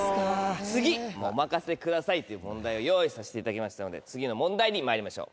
次お任せくださいっていう問題を用意させていただきましたので次の問題にまいりましょう。